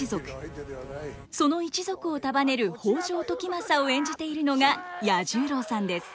その一族を束ねる北条時政を演じているのが彌十郎さんです。